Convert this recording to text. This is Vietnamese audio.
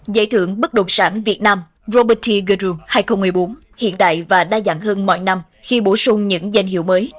giải thưởng bất động sản việt nam robert t goom hai nghìn một mươi bốn hiện đại và đa dạng hơn mọi năm khi bổ sung những danh hiệu mới